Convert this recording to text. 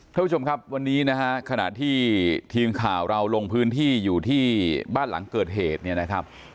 ท่านผู้ชมครับวันนี้นะฮะขณะที่ทีมข่าวเราลงพื้นที่อยู่ที่บ้านหลังเกิดเหตุเนี่ยนะครับ